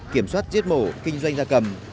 kiểm soát giết mổ kinh doanh gia cầm